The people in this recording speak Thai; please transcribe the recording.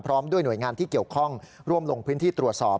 ด้วยหน่วยงานที่เกี่ยวข้องร่วมลงพื้นที่ตรวจสอบ